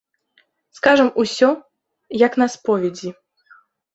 Скажам усё, як на споведзі.